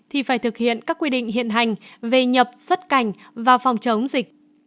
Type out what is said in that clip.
thì phải thực hiện các quy định hiện hành về nhập xuất cảnh và phòng chống dịch